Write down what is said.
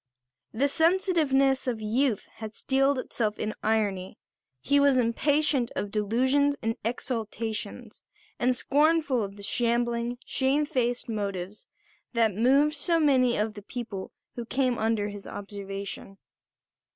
The sensitiveness of youth had steeled itself in irony; he was impatient of delusions and exaltations, and scornful of the shambling, shame faced motives that moved so many of the people who came under his observation.